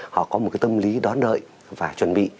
họ có một cái tâm lý đón đợi và chuẩn bị